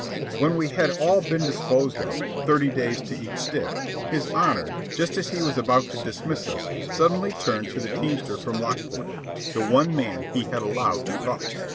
When we had all been disposed of, thirty days to each stiff, his Honor, just as he was about to dismiss us, suddenly turned to the teamster from Lockport the one man he had allowed to talk.